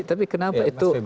tapi kenapa itu